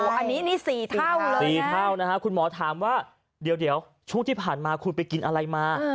อันนี้นี่๔เท่าเลย๔เท่านะฮะคุณหมอถามว่าเดี๋ยวช่วงที่ผ่านมาคุณไปกินอะไรมา